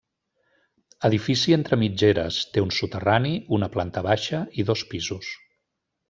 Edifici entre mitgeres, té un soterrani, una planta baixa i dos pisos.